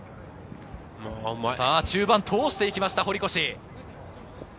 中盤、通してきました堀越。